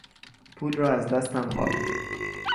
پول را از دستم قاپید.